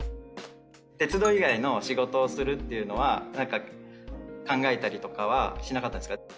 鉄道以外の仕事をするっていうのは何か考えたりとかはしなかったんですか？